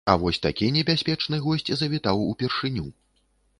А вось такі небяспечны госць завітаў упершыню.